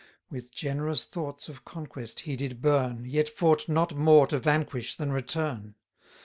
With generous thoughts of conquest he did burn, Yet fought not more to vanquish than return.